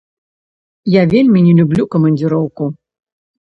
Я вельмі не люблю камандзіроўку.